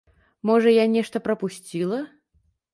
Можа, я нешта прапусціла.